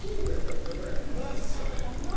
ないっすよあれ。